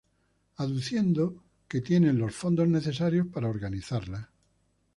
Aduciendo que tienen los fondos necesarios para organizarla.